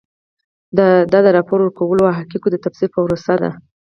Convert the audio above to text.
دا د راپور ورکولو او حقایقو د تفسیر پروسه ده.